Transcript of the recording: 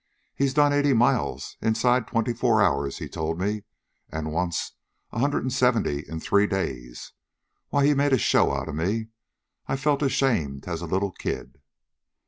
He's done eighty miles inside twenty four hours, he told me, an' once a hundred an' seventy in three days. Why, he made a show outa me. I felt ashamed as a little kid."